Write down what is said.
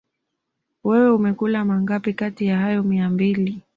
Wewe umekula mangapi kati ya hayo mia mbili